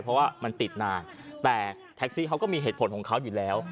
เพราะว่ามันติดนานแต่แท็กซี่เขาก็มีเหตุผลของเขาอยู่แล้ว